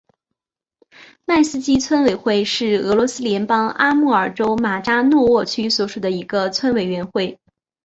迈斯基村委员会是俄罗斯联邦阿穆尔州马扎诺沃区所属的一个村委员会。